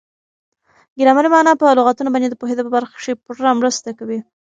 ګرامري مانا په لغاتو باندي د پوهېدو په برخه کښي پوره مرسته کوي.